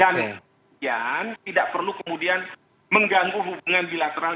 dan kemudian tidak perlu kemudian mengganggu hubungan bilateral